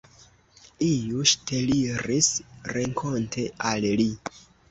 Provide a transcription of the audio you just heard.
Iu ŝteliris renkonte al li.